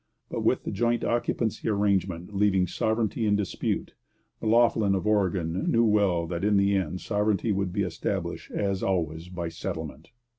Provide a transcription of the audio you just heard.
But with the 'joint occupancy' arrangement leaving sovereignty in dispute, M'Loughlin of Oregon knew well that in the end sovereignty would be established, as always, by settlement.